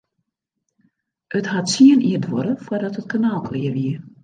It hat tsien jier duorre foardat it kanaal klear wie.